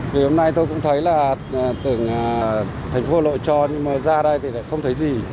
thì hôm nay tôi cũng thấy là từng thành phố lội tròn nhưng mà ra đây thì lại không thấy gì